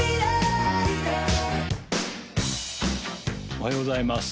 おはようございます